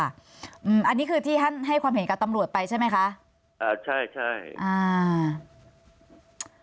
อันนี้คือที่ท่านให้ความเห็นกับตำรวจไปใช่ไหมคะอ่าใช่ใช่อ่า